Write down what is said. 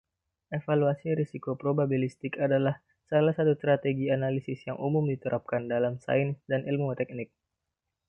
Evaluasi risiko probabilistik adalah salah satu strategi analisis yang umum diterapkan dalam sains dan ilmu teknik.